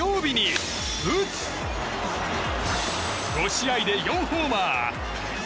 ５試合で４ホーマー。